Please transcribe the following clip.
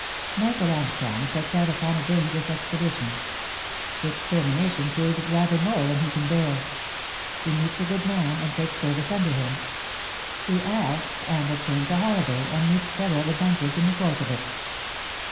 MICHAEL ARMSTRONG SETS OUT UPON A DANGEROUS EXPEDITION ITS TERMINATION PROVES RATHER MORE THAN HE CAN BEAR HE MEETS A GOOD MAN, AND TAKES SERVICE UNDER HIM HE ASKS AND OBTAINS A HOLIDAY, AND MEETS SEVERAL ADVEN TURES IN THE COURSE OF IT.